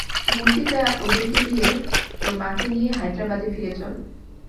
মূর্তিটা ওদেরকে দিয়ে, তোর মাকে নিয়ে হায়দ্রাবাদে ফিরে চল।